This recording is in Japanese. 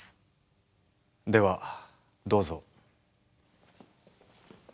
ではどうぞ。